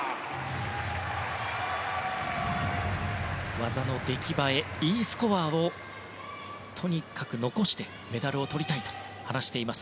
技の出来栄えＥスコアをとにかく残してメダルをとりたいと話しています